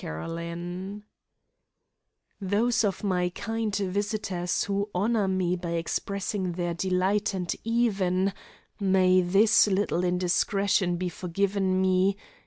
CHAPTER II Those of my kind visitors who honour me by expressing their delight and even may this little indiscretion be forgiven me!